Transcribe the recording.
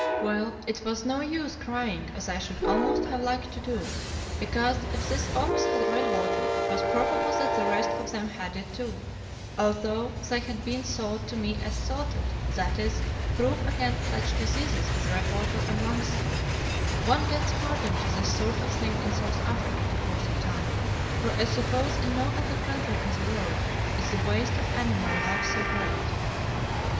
"Well, it was no use crying as I should almost have liked to do, because if this ox had redwater it was probable that the rest of them had it too, although they had been sold to me as 'salted,' that is, proof against such diseases as redwater and lungsick. One gets hardened to this sort of thing in South Africa in course of time, for I suppose in no other country in the world is the waste of animal life so great.